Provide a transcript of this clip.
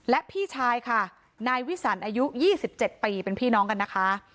และพี่ชายค่ะนายวิสันอายุ๒๗ปีเป็นพี่น้องกันนะคะ